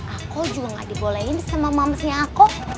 aku juga gak dibolehin sama mamanya aku